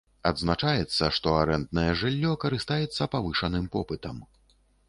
Адзначаецца, што арэнднае жыллё карыстаецца павышаным попытам.